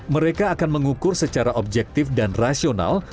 mereka akan mengukur secara objektif dan rasional